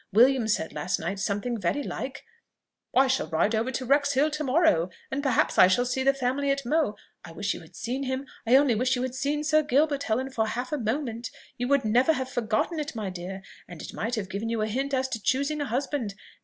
William said last night something very like, 'I shall ride over to Wrexhill to morrow, and perhaps I shall see the family at Mow....' I wish you had seen him I only wish you had seen Sir Gilbert, Helen, for half a moment! you would never have forgotten it, my dear, and it might have given you a hint as to choosing a husband.